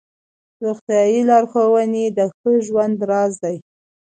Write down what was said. روغتیایي لارښوونې د ښه ژوند راز دی.